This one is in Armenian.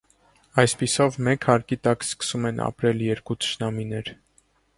Այսպիսով մեկ հարկի տակ սկսում են ապրել երկու թշնամիներ։